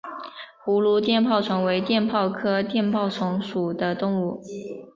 葫芦碘泡虫为碘泡科碘泡虫属的动物。